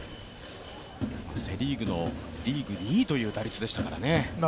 セ・リーグのリーグ２位という打率でしたからね。